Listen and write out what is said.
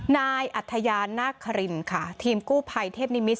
นายอัธยานาครินค่ะทีมกู้ภัยเทพนิมิต